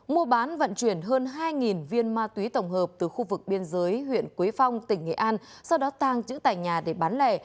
mua bán vận chuyển hơn hai viên ma túy tổng hợp từ khu vực biên giới huyện quế phong tỉnh nghệ an sau đó tàng trữ tại nhà để bán lẻ